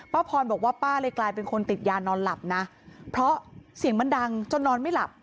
พรบอกว่าป้าเลยกลายเป็นคนติดยานอนหลับนะเพราะเสียงมันดังจนนอนไม่หลับ